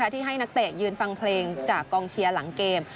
ที่ให้นักเตะยืนฟังเพลงจากกองเชียร์หลังเกม